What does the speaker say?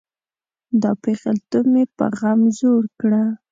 دا پیغلتوب مې په غم زوړ کړه.